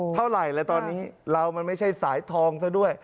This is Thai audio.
เท่าไหร่แล้วตอนนี้เรามันไม่ใช่สายทองซะด้วย